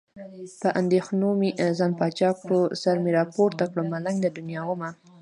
په اندېښنو مې ځان بادشاه کړ. سر مې راپورته کړ، ملنګ د دنیا ومه.